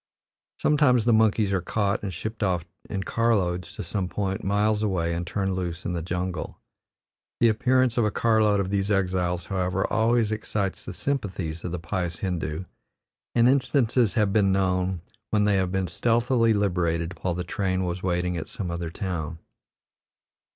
Sometimes the monkeys are caught and shipped off in car loads to some point miles away and turned loose in the jungle. The appearance of a car load of these exiles, however, always excites the sympathies of the pious Hindoo, and instances have been known when they have been stealthily liberated while the train was waiting at some other town.